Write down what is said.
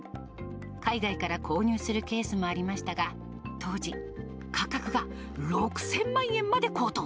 海外から購入するケースもありましたが、当時、価格が６０００万円まで高騰。